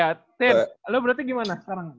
ya lo berarti gimana sekarang